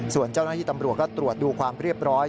ส่วนเจ้าหน้าที่ตำรวจก็ตรวจดูความเรียบร้อย